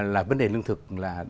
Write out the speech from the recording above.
là vấn đề lương thực là